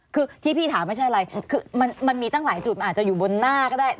คือที่พี่ถามไม่ใช่อะไรคือมันมีตั้งหลายจุดมันอาจจะอยู่บนหน้าก็ได้